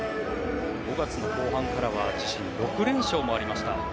５月の後半からは自身６連勝もありました。